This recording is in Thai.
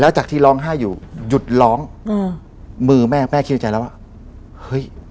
จากที่ร้องไห้อยู่หยุดร้องอืมมือแม่แม่คิดในใจแล้วว่าเฮ้ย